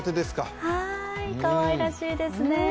かわいらしいですね。